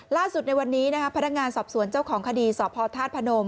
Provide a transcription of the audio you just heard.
ล่าสุดในวันนี้พนักงานสอบสวนเจ้าของคดีสภภนม